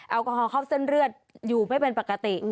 แอลกอฮอลเข้าเส้นเลือดอยู่ไม่เป็นปกติ